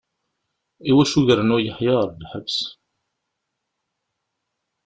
Iwacu gren Uyeḥya ɣer lḥebs?